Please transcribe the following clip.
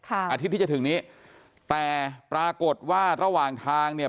อาทิตย์ที่จะถึงนี้แต่ปรากฏว่าระหว่างทางเนี่ย